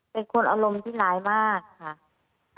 เป็นคนอารมณ์ที่ร้ายมากค่ะ